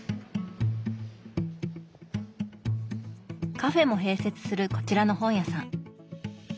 カフェも併設するこちらの本屋さん。